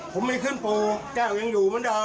ผมมีเครื่องปลูกแก้วยังอยู่เหมือนเดิม